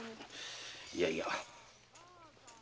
いやいや。